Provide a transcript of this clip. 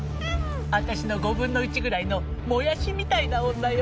私の５分の１ぐらいのもやしみたいな女よ。